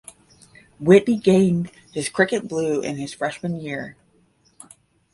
Whitby gained his cricket blue in his freshman year.